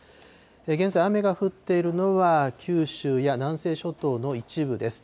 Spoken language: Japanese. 現在、雨が降っているのは九州や南西諸島の一部です。